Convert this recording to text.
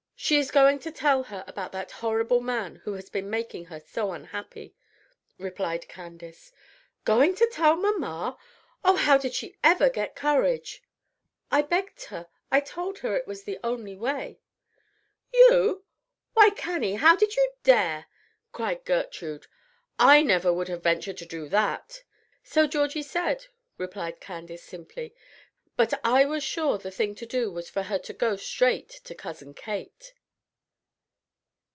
"She is going to tell her about that horrible man who has been making her so unhappy," replied Candace. "Going to tell mamma! oh, how did she ever get courage?" "I begged her I told her it was the only way." "You! why, Cannie, how did you dare?" cried Gertrude. "I never would have ventured to do that." "So Georgie said," replied Candace, simply; "but I was sure the thing to do was for her to go straight to Cousin Kate."